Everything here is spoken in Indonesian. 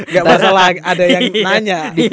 gak masalah ada yang nanya